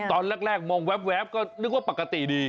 ตอนแรกมองแว๊บก็นึกว่าปกติดี